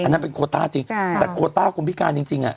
อันนี้เป็นโควตาจริงแต่โควตาคุณพิการจริงอ่ะ